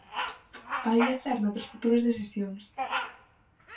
Aí a cerna das futuras decisións.